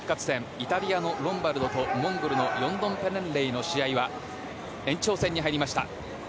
イタリアのロンバルドとモンゴルのヨンドンペレンレイの試合は延長戦に入りました。